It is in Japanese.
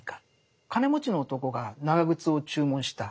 金持ちの男が長靴を注文した。